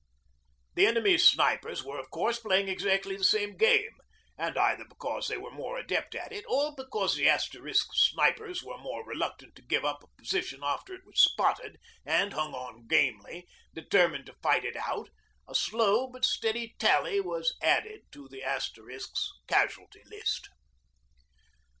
The enemy's snipers were, of course, playing exactly the same game, and either because they were more adept at it, or because the Asterisks' snipers were more reluctant to give up a position after it was 'spotted' and hung on gamely, determined to fight it out, a slow but steady tally was added to the Asterisks' casualty list.